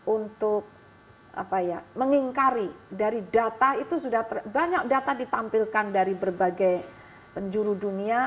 untuk mengingkari dari data itu sudah banyak data ditampilkan dari berbagai penjuru dunia